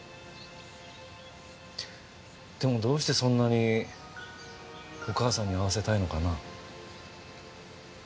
でもどうしてそんなにお母さんに会わせたいのかな？